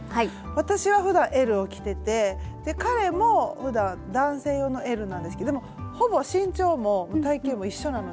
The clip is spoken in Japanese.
私はふだんＬを着てて彼もふだん男性用のＬなんですけどでもほぼ身長も体型も一緒なので。